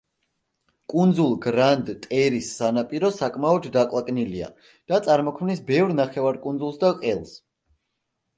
კუნძულ გრანდ-ტერის სანაპირო საკმაოდ დაკლაკნილია და წარმოქმნის ბევრ ნახევარკუნძულს და ყელს.